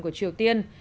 của triều tiên